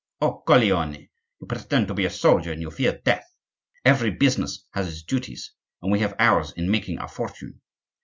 "O coglione! you pretend to be a soldier, and you fear death! Every business has its duties, and we have ours in making our fortune.